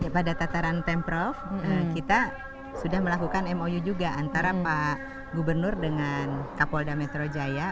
pada tataran pemprov kita sudah melakukan mou juga antara pak gubernur dengan kapolda metro jaya